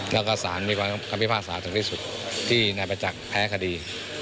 แล้วก็สารมีความคัมภิพาษาจากที่สุดที่นายไปจักแพ้คดี